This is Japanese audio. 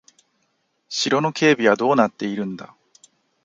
城の警備はどうなっているんだ。